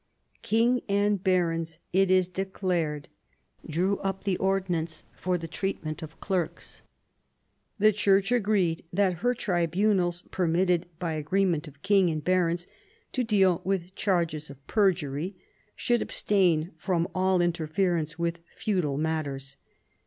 King and barons, it is declared, drew up the ordinance for the treatment of clerks. The Church agreed that her tribunals, permitted by agree ment of king and barons to deal with charges of perjury, should abstain from all interference with feudal matters.